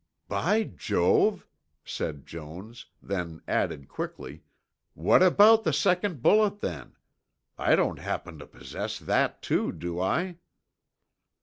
"By Jove," said Jones, then added quickly, "What about the second bullet, then? I don't happen to possess that, too, do I?"